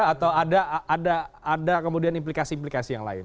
atau ada kemudian implikasi implikasi yang lain